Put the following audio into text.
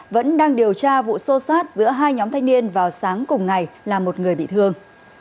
vẫn đang điều tra vụ xô xát giữa hai nhóm thanh niên vào sáng cùng ngày là một người bị thương